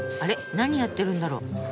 何やってるんだろう？